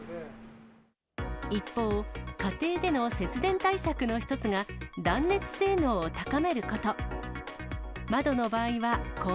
一方、家庭での節電対策の一つが、断熱性能を高めること。